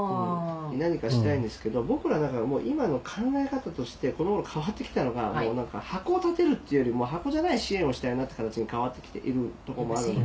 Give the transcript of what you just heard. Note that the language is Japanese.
何かしたいんですけど僕ら今の考え方としてこの頃変わってきたのが箱を建てるってよりも箱じゃない支援をしたいなって形に変わってきているとこもあるんで。